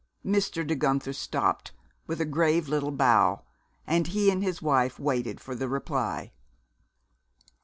Mr. De Guenther stopped with a grave little bow, and he and his wife waited for the reply.